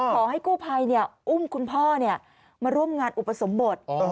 ขอให้กู้ภัยอุ้มคุณพ่อมาร่วมงานอุปสมบท